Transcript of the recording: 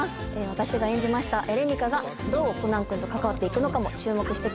私が演じましたエレニカがどうコナン君と関わって行くのかも注目してください。